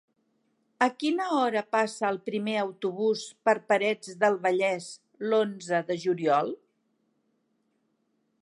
A quina hora passa el primer autobús per Parets del Vallès l'onze de juliol?